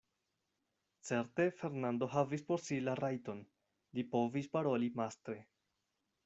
Certe Fernando havis por si la rajton: li povis paroli mastre.